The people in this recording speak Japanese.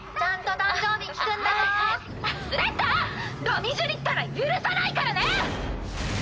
ロミジュリったら許さないからね！